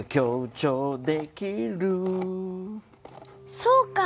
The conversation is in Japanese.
そうか。